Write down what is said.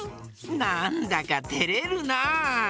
なんだかてれるな。